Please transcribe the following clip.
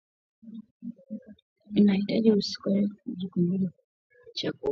utahitaji sukari vijiko vya chakula mbili